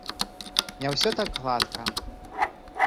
Не ўсё так гладка.